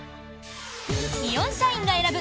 イオン社員が選ぶ